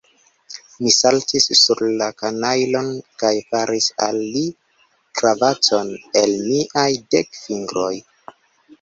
Mi saltis sur la kanajlon, kaj faris al li kravaton el miaj dek fingroj.